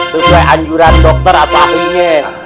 sesuai anjuran dokter atau ahlinya